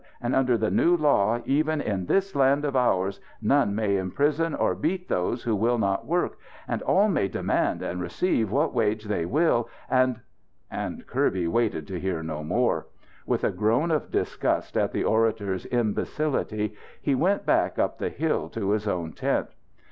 And under the new law, even in this land of ours, none may imprison or beat those who will not work. And all may demand and receive what wage they will. And " And Kirby waited to hear no more. With a groan of disgust at the orator's imbecility, he went back, up the hill, to his own tent.